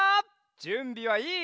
じゅんびはいい？